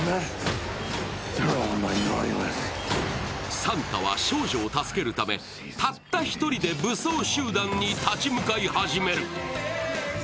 サンタは少女を助けるため、たった１人で武装集団に立ち向かい始める。